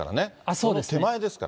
その手前ですから。